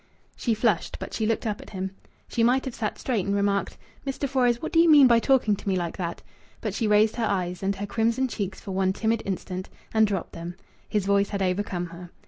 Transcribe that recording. She flushed, but she looked up at him. She might have sat straight and remarked: "Mr. Fores, what do you mean by talking to me like that?" But she raised her eyes and her crimson cheeks for one timid instant, and dropped them. His voice had overcome her.